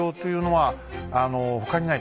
はい。